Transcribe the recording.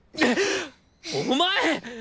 お前！